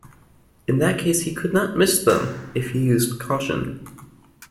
In that case he could not miss them, if he used caution.